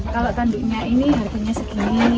kalau tanduknya ini harganya segini